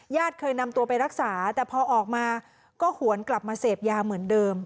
เคยนำตัวไปรักษาแต่พอออกมาก็หวนกลับมาเสพยาเหมือนเดิม